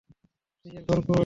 নিজের ঘর কই!